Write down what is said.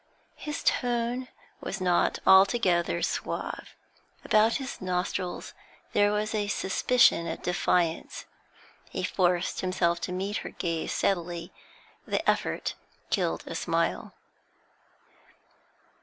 His tone was not altogether suave; about his nostrils there was a suspicion of defiance. He forced himself to meet her gaze steadily; the effort killed a smile.